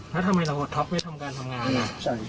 แล้วทำไมเราอดท็อปไว้ทำการทำงานล่ะ